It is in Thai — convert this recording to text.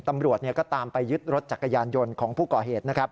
ตำรวจก็ตามไปยึดรถจักรยานยนต์ของผู้ก่อเหตุนะครับ